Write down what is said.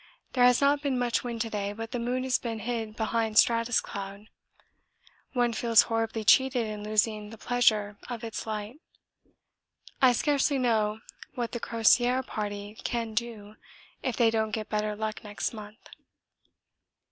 There has not been much wind to day, but the moon has been hid behind stratus cloud. One feels horribly cheated in losing the pleasure of its light. I scarcely know what the Crozier party can do if they don't get better luck next month.